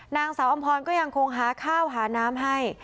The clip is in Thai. นางสาวอำพรก็ยังคงหาข้าวหาน้ำให้